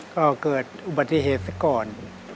ก็เกิดอุบัติเหตุซะก่อน